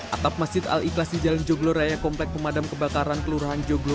atap masjid al ikhlas di jalan joglo raya komplek pemadam kebakaran kelurahan joglo